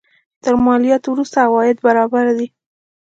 تر مالیاتو وروسته عواید برابر دي.